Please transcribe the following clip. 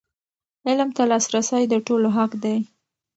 علم ته لاسرسی د ټولو حق دی.